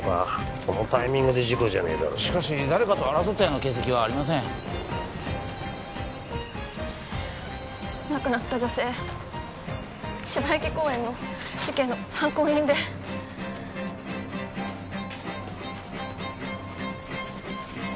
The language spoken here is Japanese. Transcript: このタイミングで事故じゃねえだろ・しかし誰かと争ったような形跡はありません亡くなった女性芝池公園の事件の参考人であ